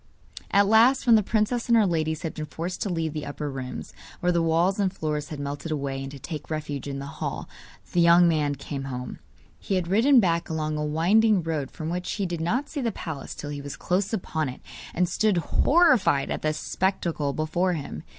At last, when the princess and her ladies had been forced to leave the upper rooms, where the walls and floors had melted away, and to take refuge in the hall, the young man came home. He had ridden back along a winding road from which he did not see the palace till he was close upon it, and stood horrified at the spectacle before him.